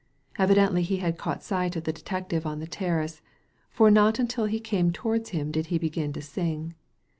Evidently he had caught sight of the detective on the terrace, for not until he came towards him did he begin to sing.